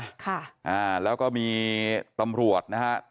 แล้วก็แล้วก็มีตำรวจนะฮะ